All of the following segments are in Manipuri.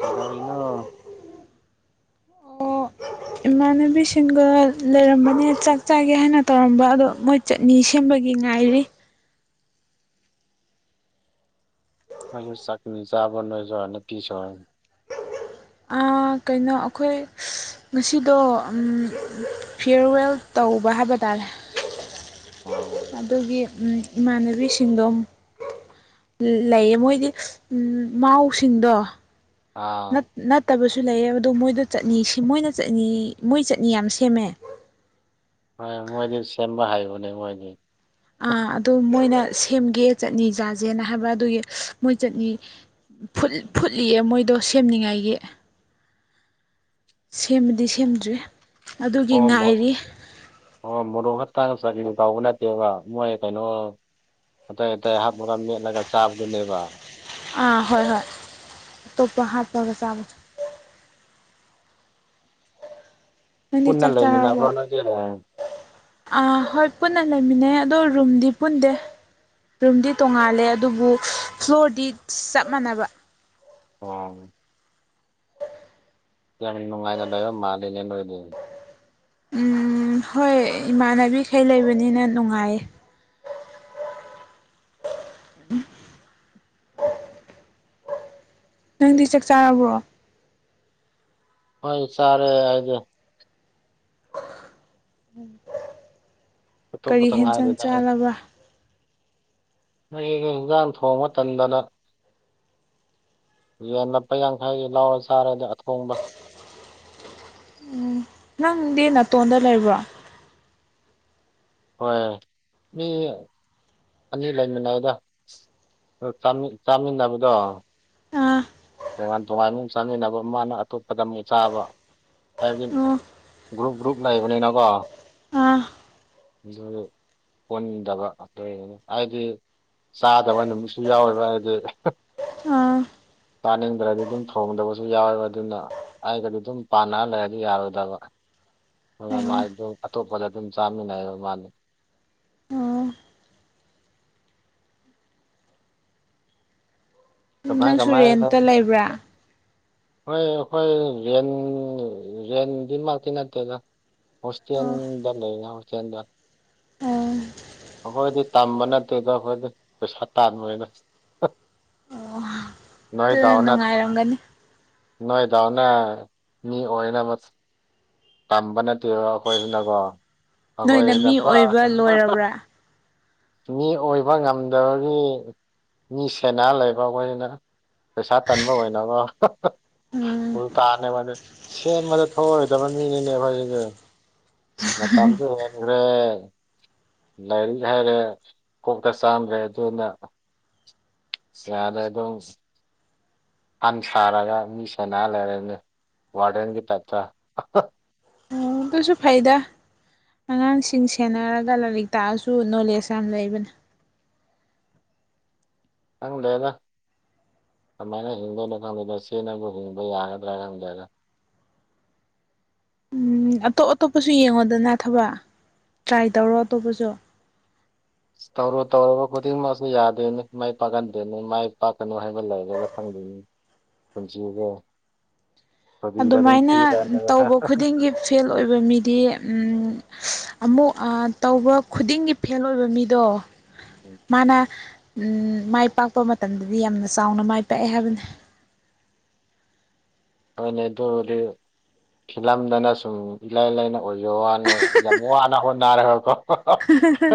[inaudible] ꯁꯤꯗ ꯏꯩꯅꯣ ꯑꯣ [inaudible] ꯏꯃꯥꯟꯅꯕꯤꯁꯤꯡꯒ ꯂꯩꯔꯝꯕꯅꯦ ꯆꯥꯛ ꯆꯥꯒꯦ ꯍꯥꯏꯅ ꯇꯧꯔꯝꯕ ꯑꯗꯣ ꯃꯣꯏ ꯆꯠꯅꯤ ꯁꯦꯝꯕꯒꯤ ꯉꯥꯏꯔꯤ ꯑꯩꯣꯏꯁꯨ ꯆꯥꯛꯅꯤ ꯆꯥꯕ ꯅꯣꯏꯁꯨ ꯍꯅꯠꯇꯤꯁꯨꯅꯤ ꯀꯩꯅꯣ ꯑꯩꯈꯣꯏ ꯉꯁꯤꯗꯣ ꯐꯤꯌꯔꯋꯦꯜ ꯇꯧꯕ ꯍꯥꯏꯕ ꯇꯥꯔꯦ ꯑ ꯑꯗꯨꯒꯤ ꯏꯃꯥꯟꯅꯕꯤꯁꯤꯡꯗꯣ ꯂꯩꯌꯦ ꯃꯣꯏꯗꯤ ꯃꯥꯎꯁꯤꯡꯗꯣ ꯑꯥ ꯅꯠꯇꯕꯁꯨ ꯂꯩꯌꯦ ꯑꯗꯣ ꯃꯣꯏꯗ ꯆꯠꯅꯤ ꯃꯣꯏꯅ ꯆꯠꯅꯤ ꯃꯣꯏ ꯆꯠꯅꯤ ꯌꯥꯝ ꯁꯦꯝꯃꯦ ꯍꯣꯏ ꯃꯣꯏꯗꯤ ꯁꯦꯝꯕ ꯍꯩꯕꯅꯦ ꯃꯣꯏꯗꯤ ꯑ ꯑꯗꯨ ꯃꯣꯏꯅ ꯁꯦꯝꯒꯦ ꯆꯠꯅꯤ ꯆꯥꯁꯦꯅ ꯍꯥꯏꯕ ꯑꯗꯨꯒꯤ ꯃꯣꯏ ꯆꯠꯅꯤ ꯐꯨꯠꯂꯤꯌꯦ ꯃꯣꯏꯗꯣ ꯁꯦꯝꯅꯤꯡꯉꯥꯏꯒꯤ ꯁꯦꯝꯕꯗꯤ ꯁꯦꯝꯗ꯭ꯔꯤ ꯑꯗꯨꯒꯤ ꯑꯣ ꯃꯣ ꯉꯥꯏꯔꯤ ꯑꯣ ꯃꯣꯔꯣꯛ ꯈꯛꯇꯥꯡꯒ ꯆ ꯇꯥꯎꯧꯕ ꯅꯠꯇꯦꯕ ꯃꯣꯏ ꯀꯩꯅꯣ ꯑꯇꯩ ꯑꯇꯩ ꯍꯥꯞ ꯃꯔꯝ ꯅꯦꯠꯂꯒ ꯆꯥꯕꯗꯨꯅꯦꯕ ꯑꯥ ꯍꯣꯏ ꯍꯣꯏ ꯇꯣꯞꯄ ꯍꯥ ꯄꯒ ꯆ ꯅꯪꯗꯤ ꯄꯨꯟꯅ ꯆꯥꯛ ꯆꯥꯔꯕꯣ ꯂꯩꯃꯤꯟꯅꯕꯅꯖꯦꯔꯦ ꯑꯥ ꯍꯣꯏ ꯄꯨꯟꯅ ꯂꯩꯃꯤꯟꯅꯩ ꯑꯗꯣ ꯔꯨꯝꯗꯤ ꯄꯨꯟꯗꯦ ꯔꯨꯝꯗꯤ ꯇꯣꯡꯉꯥꯜꯂꯦ ꯑꯗꯨꯕꯨ ꯐ꯭ꯂꯣꯔꯗꯤ ꯆꯞ ꯃꯥꯟꯅꯕ ꯑꯣ ꯀ ꯅꯨꯡꯉꯥꯏꯅ ꯂꯩꯕ ꯃꯥꯂꯩꯅꯦ ꯅꯣꯏꯗꯤ ꯎꯝ ꯍꯣꯏ ꯏꯃꯥꯟꯅꯕꯤꯈꯩ ꯂꯩꯕꯅꯤꯅ ꯅꯨꯡꯉꯥꯏꯌꯦ ꯅꯪꯗꯤ ꯆꯥꯛ ꯆꯥꯔꯕ꯭ꯔꯣ ꯍꯣꯏ ꯆꯥꯔꯦ ꯑꯩꯗꯤ ꯎ ꯀꯔꯤ ꯆꯠꯊꯣꯛꯄꯇ ꯍꯦꯟꯁꯥꯡ ꯉꯥꯏꯔꯤꯗ ꯑꯩ ꯆꯥꯂꯕ ꯑꯩ ꯍꯟꯖꯥꯡ ꯊꯣꯡꯕ ꯃꯇꯝꯗꯅ ꯌꯦꯟ ꯂꯨꯄꯥ ꯌꯥꯡꯈꯩ ꯂ ꯂꯧꯔ ꯆꯥꯔꯦꯗ ꯑꯊꯣꯡꯕ ꯅꯪꯗꯤ ꯅꯥꯇꯣꯟꯗ ꯂꯩꯕ꯭ꯔꯣ ꯍꯣꯏ ꯑꯅꯤ ꯂꯩꯃꯤꯟꯅꯕꯗ ꯆꯥꯃꯤꯟꯅꯕꯗꯣ ꯑꯥ ꯇꯣꯉꯥꯟ ꯇꯣꯉꯥꯟꯃ ꯆꯥꯃꯤꯟꯅꯕ ꯃꯥꯅ ꯑꯇꯣꯞꯄꯗ ꯑꯃꯨꯛ ꯆꯥꯕ ꯍꯥꯏꯕꯗꯤ ꯑꯣ ꯒ꯭ꯔꯨꯞ ꯒ꯭ꯔꯨꯞ ꯂꯩꯕꯅꯤꯅꯀꯣ ꯑꯥ ꯑꯗꯨ ꯍꯟꯗꯕꯅꯤ ꯍꯥꯏꯗꯤ ꯆꯥꯗꯕ ꯅꯨꯃꯤꯠꯁꯨ ꯌꯥꯎꯋꯦꯕ ꯍꯥꯏꯗꯤ ꯑꯥ ꯆꯥꯅꯤꯡꯗ꯭ꯔꯗꯤ ꯑꯗꯨꯝ ꯊꯣꯡꯗꯕꯁꯨ ꯌꯥꯎꯋꯦꯕ ꯑꯗꯨꯅ ꯑꯩꯒꯗꯤ ꯑꯗꯨꯝ ꯄꯥꯟꯅꯔ ꯂꯩꯔꯗꯤ ꯌꯥꯔꯣꯏꯗꯕ ꯍ ꯑꯣ ꯃꯥꯥꯏ ꯑꯗꯨꯝ ꯑꯇꯣꯞꯄꯗ ꯑꯗꯨꯝ ꯆꯥꯃꯤꯟꯅꯩꯑꯕ ꯃꯥꯅꯤ ꯑꯣ ꯀꯃꯥꯏ ꯀꯃꯥꯏ ꯅꯪꯁꯨꯨꯔꯦꯟꯇ ꯂꯩꯕ꯭ꯔꯥ ꯍꯣꯏ ꯑꯩꯈꯣꯏ ꯌꯦꯟ ꯔꯦꯟꯗꯤꯃꯛꯇꯤ ꯅꯠꯇꯦꯗ ꯑꯣ ꯍꯁꯇꯟꯗ ꯍꯁꯇꯟꯗ ꯑꯣ ꯑꯩꯈꯣꯏꯗꯤ ꯇꯝꯕ ꯅꯠꯇꯦꯗ ꯑꯩꯈꯣꯏꯗꯤ ꯄꯩꯁꯥ ꯇꯥꯟꯕꯥꯟꯕꯣꯏꯅ [inaudible] ꯑꯗꯨꯅ ꯅꯣꯏꯗꯥꯎꯅ ꯅꯨꯡꯉꯥꯏꯔꯝꯒꯅꯤ ꯅꯣꯏꯗꯥꯎꯅ ꯃꯤ ꯑꯣꯏꯅ ꯇꯝꯕ ꯅꯠꯇꯦꯕꯣ ꯑꯩꯈꯣꯏꯁꯤꯅꯀꯣ ꯅꯣꯏꯅ ꯑꯩꯈꯣꯏꯁꯤꯅ ꯃꯤ ꯄꯨꯔꯥ ꯑꯣꯏꯕ ꯂꯣꯏꯔꯕ꯭ꯔꯥ ꯃꯤ ꯑꯣꯏꯕ ꯉꯝꯗꯕꯒꯤ ꯃꯤ ꯁꯦꯅꯥ ꯂꯩꯕ ꯑꯩꯈꯣꯏꯅ ꯄꯩꯁꯥ ꯇꯟꯕ ꯑꯣꯏꯅꯕ ꯎ ꯎꯝ ꯇꯥꯅꯦꯕ ꯁꯦꯝꯕꯗ ꯊꯣꯛꯑꯣꯔꯣꯏꯗꯕ ꯃꯤꯅꯤꯅꯦ ꯑꯩꯈꯣꯏꯁꯤꯗꯤ ꯃꯇꯝꯗꯨ ꯍ ꯈ꯭ꯔꯦ ꯂꯥꯏꯔꯤꯛ ꯍꯥꯏꯔꯦ ꯀꯣꯛꯇ ꯆꯥꯝꯗ꯭ꯔꯦ ꯑꯗꯨꯅ ꯌꯥꯔ ꯑꯗꯨ ꯐꯟ ꯁꯥꯔꯒ ꯃꯤ ꯁꯦꯅꯔ ꯂꯩꯔꯅꯤ ꯋꯥꯔꯗꯦꯟꯒꯤ ꯇꯥꯏꯞꯇ ꯨꯑꯗꯨꯁꯨ ꯐꯩꯗꯥ ꯑꯉꯥꯡꯁꯤꯡ ꯁꯦꯟꯅꯔꯒ ꯂꯥꯏꯔꯤꯛ ꯇꯥꯛꯑꯁꯨ ꯅꯣꯂꯦꯖ ꯌꯥꯝ ꯂꯩꯕꯅꯤ ꯈꯪꯗꯦꯗ ꯀꯃꯥꯏꯅ ꯍꯤꯡꯗꯣꯏꯅꯣ ꯈꯪꯗꯣꯏꯗ ꯆꯦꯅꯕꯨ ꯍꯤꯡꯕ ꯌꯥꯒꯗ꯭ꯔꯥ ꯈꯪꯗꯦꯒ ꯎꯝ ꯑꯇꯣꯞ ꯑꯇꯣꯞꯄꯁꯨ ꯌꯦꯡꯉꯣꯗꯅ ꯊꯕ ꯇ꯭ꯔꯥꯏ ꯇꯧꯔꯣ ꯑꯇꯣꯞꯄꯁꯨ ꯇꯧꯔꯨ ꯇꯧꯔꯨꯕ ꯈꯨꯗꯤꯡꯃꯛꯁꯨ ꯌꯥꯗꯣꯏꯅꯤ ꯃꯥꯏ ꯄꯥꯛꯍꯟꯗꯣꯏꯅꯤ ꯃꯥꯏ ꯄꯥꯛꯀꯅꯨ ꯍꯥꯏꯕ ꯂꯩꯔꯒ ꯈꯪꯖ ꯎꯝ ꯄꯖꯤꯡꯒ ꯑꯗꯨꯃꯥꯏꯅ ꯇꯧꯕ ꯈꯨꯗꯤꯡꯒꯤ ꯐꯦꯜ ꯑꯣꯏꯕ ꯃꯤꯗꯤ ꯎꯝ ꯁ ꯑꯃꯨꯛ ꯑꯥ ꯇꯧꯕ ꯈꯨꯗꯤꯡꯒꯤ ꯐꯦꯜ ꯑꯣꯏꯕ ꯃꯤꯗꯣ ꯃꯥꯅ ꯎꯝ ꯃꯥꯏ ꯄꯥꯛꯄ ꯃꯇꯝꯗꯗꯤ ꯌꯥꯝꯅ ꯆꯥꯎꯅ ꯃꯥꯏ ꯄꯥꯛꯑꯦ ꯍꯥꯏꯕꯅꯤ꯫ ꯍꯣꯏꯅꯦ ꯑꯗꯨꯕꯨꯗꯤ ꯐꯤꯂꯝꯗꯅ ꯁꯨꯝ ꯏꯂꯥꯏ ꯂꯥꯏꯅ ꯑꯣꯏꯖ ꯋꯥꯅꯦ ꯌꯥꯝ ꯋꯥꯅ ꯍꯣꯠꯅꯔꯒꯀꯣ ꯍꯥꯍꯥ ꯍꯥ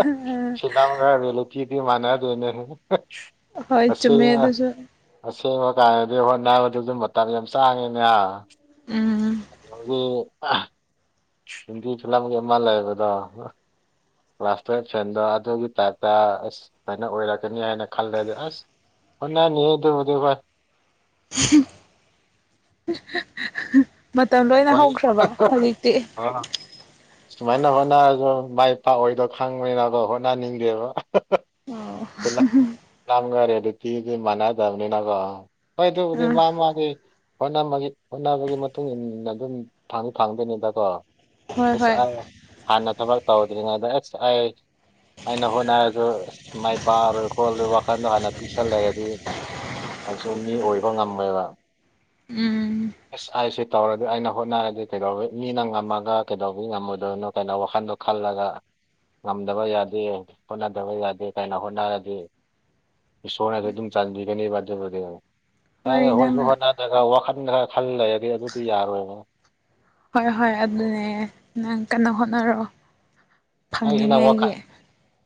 ꯐꯤꯂꯝ ꯍ ꯕꯤꯂꯇꯗꯤ ꯃꯅꯥꯗꯣꯌꯅꯦ ꯍꯥꯍꯥ ꯍꯣꯏ ꯆꯨꯝꯃꯦ ꯑꯁꯦꯡꯕ ꯑꯗꯨꯁꯨ ꯑꯁꯦꯡꯕ ꯀꯥꯟꯗꯗꯤ ꯍꯣꯠꯅꯕꯗꯖꯨ ꯃꯇꯝ ꯌꯥꯝ ꯆꯥꯡꯉꯤꯅꯦ꯫ ꯎꯝ [unintelligible] ꯍꯤꯟꯗꯤ ꯐꯤꯂꯝꯒꯤ ꯑꯃ ꯂꯩꯕꯗꯣ꯫ ꯀ꯭ꯂꯥꯁ ꯇꯨꯌꯦꯞ ꯐꯦꯟꯗꯣ ꯑꯗꯨꯒꯤ ꯇꯥꯏꯞꯇ ꯑꯁ ꯁꯥꯏꯅ ꯑꯣꯏꯔꯛꯀꯅꯤ ꯍꯥꯏꯅ ꯈꯜꯂꯗꯤ ꯑꯁ ꯍꯣꯠꯅꯅꯤ ꯑꯗꯨꯕꯨꯗꯤ ꯍꯣꯌ ꯍꯨꯝ ꯍꯥ ꯍꯥ ꯍꯥ ꯃꯇꯝ ꯂꯣꯏꯅ ꯍꯣꯏ ꯍꯧꯈ꯭ꯔꯕ ꯍꯧꯖꯤꯛꯇꯤ꯫ ꯑ ꯁꯨꯃꯥꯏꯅ ꯍꯣꯠꯅꯔꯖꯨ ꯃꯥꯏ ꯄꯥꯛꯑꯣꯏꯗꯣ ꯈꯪꯕꯅꯤꯅꯕ ꯀꯣ ꯍꯣꯠꯅꯍꯅꯤꯡꯗꯦꯕ ꯑꯍꯥꯍꯥ ꯑꯣ ꯁꯤꯅ ꯂꯥꯝ ꯒꯔꯦ ꯑꯗꯨ ꯇꯤꯗꯤ ꯃꯥꯟꯅꯗꯕꯅꯤꯅꯀꯣ ꯍꯣꯏꯗꯕꯨꯗꯤ ꯑꯥ ꯃꯥ ꯃꯥꯒꯤ ꯍꯣꯠꯅꯕꯒꯤ ꯍꯣꯠꯅꯕꯒꯤ ꯃꯇꯨꯡ ꯏꯟꯅ ꯑꯗꯨꯝ ꯐꯪꯗꯤ ꯐꯪꯗꯣꯏꯅꯤꯗꯀꯣ ꯍꯣꯏ ꯏꯁ ꯍꯣꯏ ꯑꯥꯏ ꯍꯥꯟꯅ ꯊꯕꯛ ꯇꯧꯗ꯭ꯔꯤꯉꯩꯗ ꯑꯁ ꯑꯩ ꯑꯩꯅ ꯍꯣꯠꯅꯔꯁꯨ ꯑꯁ ꯗꯨꯃꯥꯏ ꯄꯥꯔꯣꯏ ꯈꯣꯠꯂꯣꯏ ꯋꯥꯈꯜꯗꯣ ꯍꯥꯟꯅ ꯄꯤꯛꯁꯜꯂꯛꯑꯦ ꯑꯗꯨꯒꯤ ꯑꯆꯣꯟꯗꯤ ꯑꯣꯏꯕ ꯉꯝꯃꯣꯏꯑꯥꯕ꯫ ꯎꯝ ꯑꯁ ꯑꯩꯁꯦ ꯇꯧꯔꯗꯤ ꯑꯩꯅ ꯍꯣꯠꯅꯔꯗꯤ ꯀꯩꯗꯧꯕ ꯃꯤꯅ ꯉꯝꯃꯒ ꯀꯩꯗꯧꯕꯒꯤ ꯉꯝꯃꯣꯏꯗꯣꯏꯅꯣ ꯀꯩꯅꯣ ꯋꯥꯈꯟꯗꯣ ꯈꯜꯂꯒ ꯉꯝꯗꯕ ꯌꯥꯗꯦ ꯍꯣꯠꯅꯗꯕ ꯌꯥꯗꯦ ꯀꯥꯏꯅ ꯍꯣꯠ ꯅꯔꯗꯤ ꯏꯁꯣꯔꯅꯖꯨ ꯑꯗꯨꯝ ꯆꯥꯟꯕꯤꯒꯅꯦꯕ ꯑꯗꯨꯕꯨꯗꯤ ꯍꯣꯏ ꯀꯔꯥꯏꯗꯩꯩ ꯍꯣꯠꯁꯨ ꯅꯪꯅ ꯍꯣꯠꯅꯗꯔꯒ ꯈꯔ ꯋꯥꯈꯜ ꯈꯔ ꯈꯜ ꯂꯩꯔꯗꯤ ꯑꯗꯨꯗꯤ ꯌꯥꯔꯣꯏꯕ꯫ ꯍꯣꯏ ꯍꯣꯏ ꯑꯗꯨꯅꯦ ꯅꯪ ꯀꯟꯅ ꯍꯣꯠꯅꯔꯣ꯫ ꯅꯪꯁꯤꯅ ꯐꯪꯅꯤꯡꯉꯥꯏꯒꯤ ꯋꯥꯈꯟ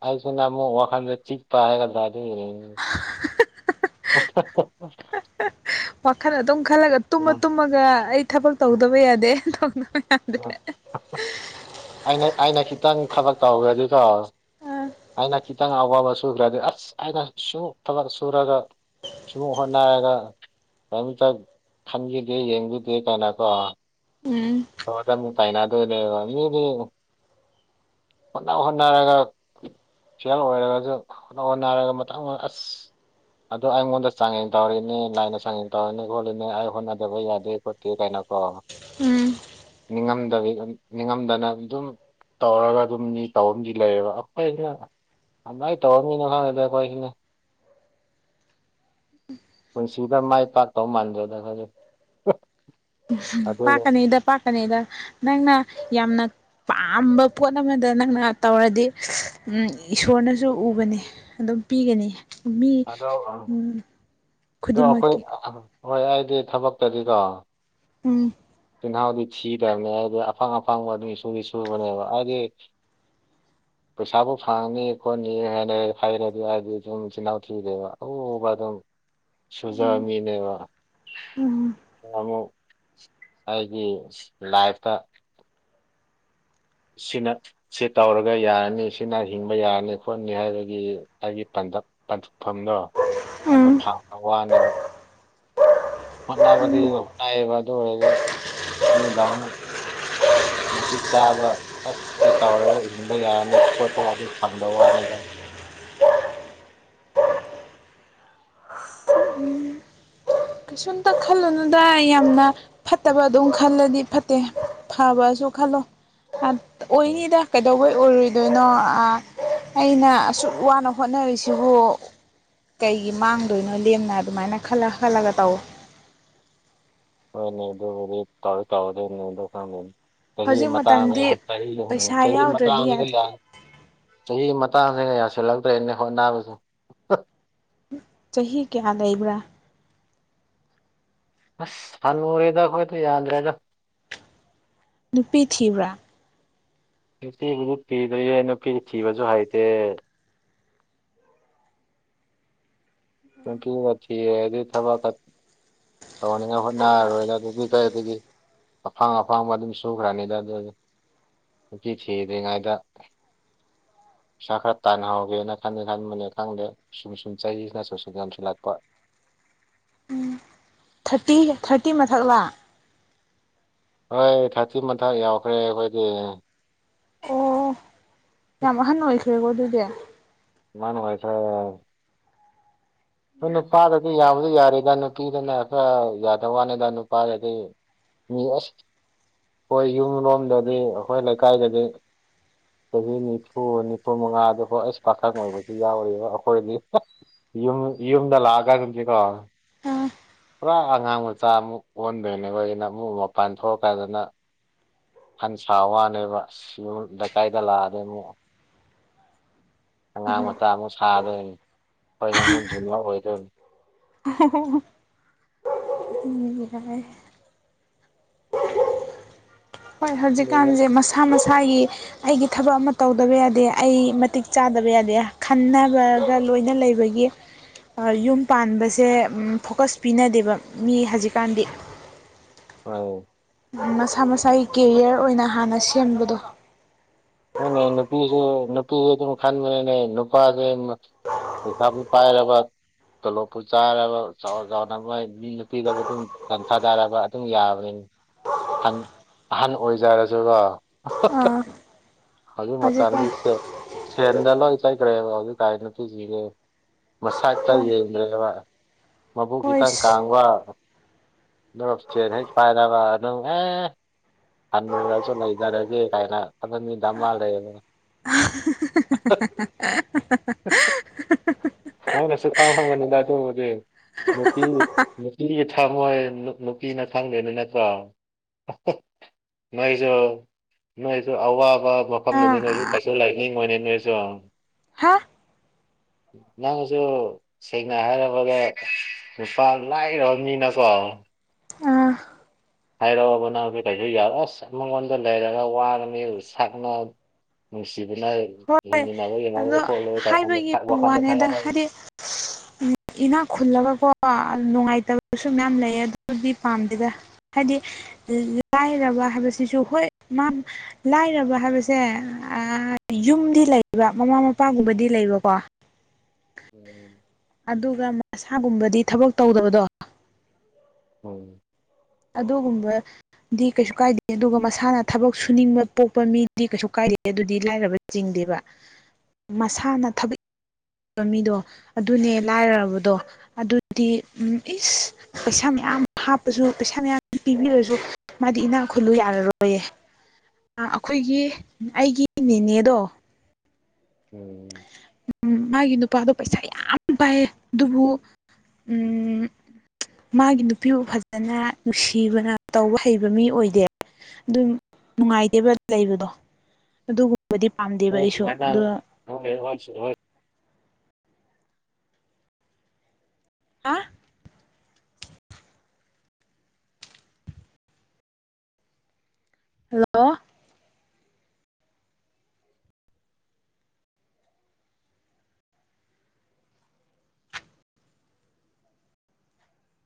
ꯑꯩꯥꯁꯤꯅ ꯑꯃꯨꯛ ꯋꯥꯈꯟꯗ ꯆꯤꯛꯄ ꯍꯥꯏꯒꯗꯔꯥ ꯑꯗꯨꯏ ꯑꯣꯏꯔꯗꯤ ꯄꯣꯁ ꯍꯥ ꯍꯥ ꯋꯥꯈꯜ ꯑꯗꯨꯝ ꯈꯜꯂꯒ ꯇꯨꯝꯃ ꯇꯨꯝꯃꯒ ꯑꯩ ꯊꯕꯛ ꯇꯧꯗꯕ ꯌꯥꯗꯦ ꯇꯧꯗꯕ ꯌꯥꯗꯦ ꯑꯩꯅ ꯑꯩꯅ ꯈꯤꯇꯪ ꯊꯕꯛ ꯇꯧꯒꯦꯗꯤꯀꯣ ꯑꯩꯅ ꯈꯤꯇꯪ ꯑꯋꯥꯕ ꯁꯨꯈ꯭ꯔꯗꯤ ꯑꯁ ꯑꯩꯅ ꯁꯨ ꯊꯕꯛ ꯁꯨꯔꯒ ꯁꯃ ꯍꯣꯠꯅꯔꯒ ꯀꯔꯤꯝꯇ ꯈꯟꯈꯤꯗꯦ ꯌꯦꯡꯕꯤꯗꯦ ꯀꯥꯏꯅꯀꯣ ꯎꯝ ꯔꯣꯗ ꯑꯃꯨꯛ ꯇꯥꯏꯅꯗꯣꯏꯅꯦꯕ ꯃꯤꯗꯤ ꯌꯦꯉꯨ ꯍꯣꯠꯅ ꯍꯣꯠꯅꯔꯒ ꯐꯦꯜ ꯑꯣꯏꯔꯒꯖꯨ ꯍꯣꯠꯅ ꯍꯣꯠꯅꯔꯒ ꯃꯇ ꯃ ꯑꯁ ꯑꯗꯣ ꯑꯩꯉꯣꯟꯗ ꯆꯥꯡꯌꯦꯡ ꯇꯧꯔꯤꯅꯤ ꯂꯥꯏꯅ ꯆꯥꯡꯌꯦꯡ ꯇꯧꯔꯤꯅꯤ ꯈꯣꯠꯂꯤꯅꯤ ꯑꯩ ꯍꯣꯠꯅꯗꯕ ꯌꯥꯗꯦ ꯈꯣ ꯄꯤꯗꯥꯏꯅꯀꯣ ꯎꯝ ꯅꯤꯡꯉꯝꯗꯕꯤ ꯅꯤꯡꯉꯝꯗꯅ ꯑꯗꯨꯝ ꯇꯧꯔꯒ ꯑꯗꯨꯝ ꯃꯤ ꯇꯧꯝꯗꯤ ꯂꯩꯌꯦꯕ ꯑꯈꯣꯏꯅ ꯑꯃꯥꯏ ꯇꯧꯔꯃꯤꯅ ꯈꯪꯉꯦꯗ ꯑꯈꯣꯏꯁꯤꯅ ꯄꯨꯟꯁꯤꯗ ꯃꯥꯏ ꯄꯥꯛꯇꯧ ꯃꯥꯟꯗ꯭ꯔꯗ ꯑꯈꯣꯏꯗꯤ ꯑꯍꯥ ꯄꯥꯛꯀꯅꯤꯗ ꯄꯥꯛꯀꯅꯤꯗ ꯅꯪꯅ ꯌꯥꯝꯅ ꯄꯥꯝꯕ ꯄꯣꯠ ꯑꯃꯗ ꯅꯪꯅ ꯇꯧꯔꯗꯤ ꯎꯝ ꯏꯁꯣꯔꯅꯁꯨ ꯎꯕꯅꯤ꯫ ꯑꯗꯨꯝ ꯄꯤꯒꯅꯤ ꯃꯤ ꯑꯗꯣ ꯑꯗꯣ ꯎꯝ ꯑꯩꯈꯣꯏ ꯈꯨꯗꯤꯡꯃꯛꯀꯤ ꯍꯣꯏ ꯑꯩꯗꯤ ꯊꯕꯛꯇꯗꯤꯀꯣ ꯎꯝ ꯆꯤꯟꯍꯥꯎꯗꯤ ꯊꯤꯗꯕꯅꯦ ꯍꯥꯏꯗꯤ ꯑꯐꯪ ꯑꯐꯪꯕ ꯑꯗꯨꯝ ꯁꯨꯗꯤ ꯁꯨꯕꯅꯦꯕ꯫ ꯍꯥꯏꯗꯤ ꯄꯩꯁꯥꯕꯨ ꯐꯪꯅꯤ ꯈꯣꯠꯅꯤ ꯍꯥꯏꯅ ꯍꯥꯌꯔꯗꯤ ꯍꯥꯏꯗꯤ ꯁꯨꯝ ꯆꯤꯜꯍꯥꯎ ꯆꯗꯕ ꯑꯣ ꯄ ꯑꯗꯨꯝ ꯎꯝ ꯁꯨꯖꯃꯤꯅꯦꯕ ꯑꯃꯨꯛ ꯑꯩꯒꯤ ꯂꯥꯏꯐꯇ [inaudible] ꯁꯤ ꯇꯧꯔꯒ ꯌꯥꯔꯅꯤ ꯁꯤꯅ ꯍꯤꯡꯕ ꯌꯥꯔꯅꯤ ꯈꯣꯠꯅꯤ ꯍꯥꯏꯕꯒꯤ ꯑꯩꯒꯤ ꯄ ꯃꯐꯝꯗꯣ ꯑꯗꯨꯗꯣ ꯎꯝ ꯊꯥꯡꯅ ꯋꯥꯅꯦꯕ ꯐꯅꯕꯕꯗꯨ ꯑꯣꯏ ꯑꯗꯨ ꯃꯤꯗ ꯃꯊꯤꯛ ꯆꯥꯕ ꯑꯁ ꯦ ꯇꯗ ꯌꯥꯅ ꯊꯗꯅꯦ ꯀꯩꯁꯨꯝꯇ ꯈꯜꯂꯨꯅꯗ ꯌꯥꯝꯅ ꯐꯠꯇꯕ ꯑꯗꯨꯝ ꯈꯜꯂꯗꯤ ꯐꯠꯇꯦ ꯐꯕꯁꯨ ꯈꯜꯂꯣ ꯎꯝ ꯑꯣꯏꯅꯤꯗ ꯀꯩꯗꯧꯕꯩ ꯑꯣꯏꯔꯣꯏꯗꯣꯏꯅꯣ ꯑꯩꯅ ꯑꯁꯨꯛ ꯋꯥꯅ ꯍꯣꯠꯅꯔꯤꯁꯤꯕꯨ ꯀꯩꯒꯤ ꯃꯥꯡꯗꯣꯏꯅꯣ ꯂꯦꯝꯅ ꯑꯗꯨꯃꯥꯏꯅ ꯈꯜꯂ ꯈꯜꯂꯒ ꯇꯧ ꯍꯣꯏ ꯅꯗꯗꯤ ꯇꯧ ꯇꯧꯗ ꯅꯗ ꯀꯥꯟ ꯀ ꯍꯧꯖꯤꯛ ꯃꯒ ꯃꯇꯝꯗꯤ ꯀ ꯄꯩꯁꯥ ꯆꯍꯤ ꯌꯥꯎꯗ꯭ꯔꯗꯤ ꯃꯇꯥꯡꯒꯦ ꯌꯥꯗꯦ ꯆꯍꯤꯒꯤ ꯃꯇꯥꯡꯁꯤꯦꯒ ꯌꯥꯁꯤꯜꯂꯛꯇ꯭ꯔꯦꯅꯦ ꯍꯣꯠ ꯅꯥꯕꯁꯨ ꯆꯍꯤ ꯀꯌꯥ ꯂꯩꯕ꯭ꯔꯥ ꯑꯁ ꯐꯟ ꯃꯨꯔꯦꯗ ꯑꯩꯈꯣꯏꯗꯣ ꯌꯥꯗ꯭ꯔꯦꯗ ꯅꯨꯄꯤ ꯊꯤꯕ꯭ꯔꯥ ꯅꯨꯁꯤꯕꯨ ꯊꯤꯗꯣꯏꯌꯦ ꯅꯨꯄꯤ ꯊꯤꯕꯁꯨ ꯍꯥꯏꯩꯇꯦ ꯀꯀꯤ ꯉ ꯊꯤꯗꯤ ꯊꯕ ꯀ ꯇꯧꯍꯅꯤꯡꯉꯥꯏ ꯍꯣꯠꯅꯔꯔꯣꯏꯅ ꯑꯗꯨꯒꯤ ꯀꯩ ꯑꯗꯨꯗꯒꯤ ꯑꯐꯥꯡ ꯑꯐꯥꯡꯕ ꯑꯗꯨꯝ ꯁꯨꯈ꯭ꯔꯅꯤꯗ ꯑꯗꯨꯗꯤ ꯅꯨꯄꯤ ꯊꯤꯗ꯭ꯔꯤꯉꯩꯗ ꯄꯩꯁꯥ ꯈꯔ ꯇꯥꯟꯅꯍꯧꯒꯦꯅ ꯈꯟꯗꯦ ꯈꯟꯕꯅꯦ ꯈꯪꯗꯦ ꯁꯨꯝ ꯁꯨꯝ ꯆꯩꯁꯤꯅꯁꯨ ꯁꯤꯝꯁꯤ ꯂꯥꯛꯄ ꯊꯥꯔꯇꯤ ꯊꯥꯔꯇꯤ ꯃꯊꯛ ꯂꯥꯛ ꯍꯣꯏ ꯊꯥꯔꯇꯤ ꯃꯊꯛ ꯌꯥꯎꯈ꯭ꯔꯦ ꯑꯩꯈꯣꯏꯗꯤ ꯑꯣ ꯌꯥꯝ ꯑꯍꯟ ꯑꯣꯏꯈ꯭ꯔꯦꯀꯣ ꯑꯗꯨꯗꯤ ꯏꯃꯅ ꯑꯣꯏꯁꯦ ꯍꯣꯏ ꯅꯨꯄꯥꯗꯗꯤ ꯌꯥꯕꯗꯤ ꯌꯥꯔꯦꯗ ꯅꯨꯄꯤꯗꯅ ꯈꯔ ꯌꯥꯗꯕ ꯋꯥꯅꯤꯗ ꯅꯨꯄꯥꯗꯗꯤ ꯃꯤ ꯑꯩꯈꯣꯏ ꯌꯨꯝ ꯂꯣꯝꯗꯗꯤ ꯑꯩꯈꯣꯏ ꯂꯩꯀꯥꯏꯗꯗꯤ ꯆꯍꯤ ꯅꯤꯐꯨ ꯅꯤꯐꯨ ꯃꯉꯥꯗꯨ ꯍꯣ ꯑꯩꯁ ꯄꯥꯈꯪ ꯑꯣꯏꯕꯁꯨ ꯌꯥꯎꯔꯤꯕ ꯑꯩꯈꯣꯏꯗꯤ ꯌꯨꯝ ꯌꯨꯝꯗ ꯂꯒ ꯇꯝꯁꯤꯦ ꯀꯣ ꯄꯨꯔꯥ ꯑꯉꯥꯡ ꯃꯆꯥ ꯑꯃꯨꯛ ꯑꯣꯟꯗꯣꯏꯅꯦꯈꯅ ꯑꯃꯨꯛ ꯃꯄꯥꯟ ꯊꯣꯛꯂꯛꯀꯥꯟꯗꯅ ꯍꯟ ꯁꯥ ꯋꯥꯅꯦꯕ ꯁꯤꯨꯝ ꯂꯩꯀꯥꯏꯗ ꯂꯥꯛꯑꯗꯤ ꯑꯃꯨꯛ ꯑꯉꯥꯡ ꯃꯆꯥ ꯑꯃ ꯁꯥꯗꯣꯏꯅꯤ ꯑꯩꯈꯣꯏꯅ ꯃꯨꯟꯖꯨꯝꯕ ꯑꯣꯏꯗꯣꯏꯅꯤ [unintelligible] ꯃꯤꯒꯤꯗ ꯍꯣꯏ ꯂꯣꯏꯔꯦꯗ ꯍꯧꯖꯤꯛꯀꯥꯟꯁꯦ ꯃꯁꯥ ꯃꯁꯥꯒꯤ ꯑꯩꯒꯤ ꯊꯕꯛ ꯑꯃ ꯇꯧꯗꯕ ꯌꯥꯗꯦ ꯑꯩ ꯃꯇꯤꯛ ꯆꯥꯗꯕ ꯌꯥꯗꯦ ꯈꯟꯅꯒ꯭ꯔꯥꯒ ꯂꯣꯏꯅ ꯂꯩꯕ ꯒꯤ ꯑꯥ ꯌꯨꯝ ꯄꯥꯟꯕꯁꯦ ꯎꯝ ꯐꯣꯀꯁ ꯄꯤꯅꯗꯦꯕ ꯃꯤ ꯍꯧꯖꯤꯛꯀꯥꯟꯗꯤ ꯃꯥꯅꯦ ꯃꯁꯥ ꯃꯁꯥꯒꯤ ꯀꯦꯔꯤꯌꯔ ꯑꯣꯏꯅ ꯍꯥꯟꯅ ꯁꯦꯝꯕꯗꯣ ꯍꯣꯏꯅꯦ ꯅꯨꯄꯤꯁꯨ ꯅꯨꯄꯤꯁꯨ ꯑꯗꯨꯝ ꯈꯟꯕꯅꯤꯅꯦ ꯅꯨꯄꯥꯁꯦ ꯄꯩꯁꯥꯕꯨ ꯄꯥꯏꯔꯕ ꯇꯣꯂꯣꯞꯄꯨ ꯆꯥꯏꯔꯕ ꯆꯥꯎ ꯆꯥꯎꯅ ꯅꯨꯄꯤꯗꯕꯨ ꯑꯗꯨꯝ [unintelligible] ꯑꯗꯨꯝ ꯌꯥꯕꯅꯤ ꯍꯟ ꯑꯍꯟ ꯑꯣꯏꯖꯔꯁꯨꯀꯣ [unintelligible] ꯑꯥ ꯑꯗꯨ ꯃꯇꯝꯗꯤ ꯍꯧꯖꯤꯛꯀꯥꯟ [unintelligible] ꯁꯦꯟꯗ ꯂꯣꯏ ꯆꯠꯈ꯭ꯔꯦꯕ ꯍꯧꯖꯤꯛ ꯀꯥꯟ ꯅꯨꯄꯤꯁꯤꯡꯖꯦ ꯃꯁꯥꯛꯇ ꯍꯣꯏ ꯌꯦꯡꯗ꯭ꯔꯦꯕ ꯃꯕꯨꯛ ꯍꯣꯏ ꯏꯀꯪ ꯀꯥꯡꯕ [unintelligible] ꯍꯦꯛ ꯄꯥꯏꯔꯕ ꯑꯗꯨꯝ ꯑꯦ ꯍꯟꯅꯨꯔꯁꯨ ꯂꯩꯖꯔꯒꯦ ꯀꯥꯏꯅ ꯀꯗꯃꯤ ꯗꯃꯥ ꯂꯩꯕꯅꯦ꯫ [unintelligible] [unintelligible] [unintelligible] ꯅꯪꯅꯁꯨ ꯈꯪꯉꯝꯒꯅꯤꯗ ꯑꯗꯨꯕꯨꯗꯤ ꯅꯨꯄꯤ ꯅꯨꯄꯤꯒꯤ ꯊꯝꯃꯣꯏ ꯅꯨꯄꯤꯅ ꯈꯪꯗꫭꯏꯅꯤꯅ ꯀꫭ [unintelligible] ꯅꯣꯏꯁꯨ ꯅꯣꯏꯁꯨ ꯑꯋꯥꯕ ꯃꯐꯝꯗꯗꯤ ꯅꯣꯏꯁꯨ ꯑꯥ ꯀꯩꯁꯨ ꯂꯩꯅꯤꯡꯉꫭꯏꯅꯦ ꯅꯣꯏꯁꯨ ꯍꯥ ꯅꯪꯁꯨ ꯁꯦꯡꯅ ꯍꯥꯏꯔꯕꯗ ꯅꯨꯄꯥ ꯂꯥꯏꯔꯕ ꯃꯤꯅꯀꯣ ꯑꯥ ꯍꯥꯏꯔꯛꯑꫭꯕ ꯅꯪꯁꯨ ꯀꯩꯁꯨ ꯌꯥꯔꯣꯏ ꯑꯁ ꯃꯉꯣꯟꯗ ꯂꯩꯔꯒ ꯋꯥꯅꯝꯅꯦ ꯁꯛꯅ ꯅꯨꯡꯁꯤꯕꯅ ꯍꯣꯏ ꯍꯤꯡꯃꯤꯟꯅꯕ ꯑꯗꯣ ꯌꯥꯔꯣꯏ ꯈꯣꯠꯂꯣꯢ ꯍꯥꯏꯕꯒꯤ ꯋꯥꯈꯥꯟꯗ ꯈꯜꯂꯛꯅꯤ꯫ [inaudible] ꯎꯝ ꯏꯅꯥꯛ ꯈꯨꯜꯂꯒꯀꯣ ꯅꯨꯡꯉꯥꯏꯇꯕꯁꯨ ꯃꯌꯥꯝ ꯂꯩ ꯑꯗꯨꯗꯤ ꯄꯥꯝꯗꯦꯗ ꯍꯥꯏꯗꯤ ꯂꯥꯏꯔꯕ ꯍꯥꯏꯕꯁꯤꯁꯨ ꯍꯣꯏ ꯃꯥ ꯂꯥꯏꯔꯕ ꯍꯥꯏꯕꯁꯦ ꯑꯥ ꯌꯨꯝꯗꯤ ꯂꯩꯕ ꯃꯃꯥ ꯃꯄꯥꯒꯨꯝꯕꯗꯤ ꯂꯩꯕꯀꯣ ꯎꯝ ꯑꯗꯨꯒ ꯃꯁꯥꯒꯨꯝꯕꯗꯤ ꯊꯕꯛ ꯇꯧꯗꯕꯗꯣ ꯎꯝ ꯑꯗꯨꯒꯨꯝꯕ ꯗꯤ ꯀꯩꯁꯨ ꯀꯥꯏꯗꯦ ꯑꯗꯨꯒ ꯃꯁꯥꯅ ꯊꯕꯛ ꯁꯨꯅꯤꯡꯕ ꯄꯣꯛꯄ ꯃꯤꯗꯤ ꯀꯩꯁꯨ ꯀꯥꯏꯗꯦ ꯑꯗꯨꯗꯤ ꯂꯥꯏꯔꯕ ꯆꯤꯡꯗꯦꯕ ꯃꯁꯥꯅ ꯊꯕꯤ ꯃꯤꯗꯣ ꯑꯗꯨꯅꯦ ꯂꯥꯏꯔꯔꯕꯗꯣ ꯑꯗꯨꯗꯤ ꯏꯁ ꯄꯩꯁꯥ ꯃꯌꯥꯝ ꯍꯥꯞꯄꯁꯨ ꯄꯩꯁꯥ ꯃꯌꯥꯝ ꯄꯤꯕꯤꯔꯁꯨ ꯃꯥꯗꯤ ꯏꯅꯥꯛ ꯈꯨꯜꯂꯨ ꯌꯥꯔꯔꯣꯏꯌꯦ ꯑꯩꯈꯣꯏꯒꯤ ꯑꯩꯒꯤ ꯅꯦꯅꯦꯗꯣ ꯎꯝ ꯎꯝ ꯃꯥꯒꯤ ꯅꯨꯄꯥꯗꯣ ꯄꯩꯁꯥ ꯌꯥꯝ ꯄꯥꯏꯌꯦ ꯑꯗꯨꯕꯨ ꯎꯝ ꯃꯥꯒꯤ ꯅꯨꯄꯤꯕꯨ ꯐꯖꯅ ꯅꯨꯡꯁꯤꯕꯅ ꯇꯧꯕ ꯍꯩꯕ ꯃꯤ ꯑꯣꯏꯗꯦ ꯗꯨꯝ ꯅꯨꯡꯉꯥꯏꯇꯦꯕ ꯂꯩꯕꯗꯣ ꯑꯗꯨꯒꯨꯝ ꯕꯨꯗꯤ ꯄꯥꯝꯗꯦ ꯍꯣꯏ ꯁꯨꯃꯥꯏꯅ ꯍꯣꯏ ꯍꯣꯏꯁꯨ ꯍꯣꯏ ꯑꯥ ꯍꯜꯂꯣ